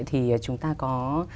thì chúng ta có